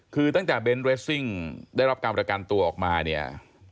คือตั้งจากเบนเต้นได้รับการปฏการณ์ตัวออกมาเนี่ย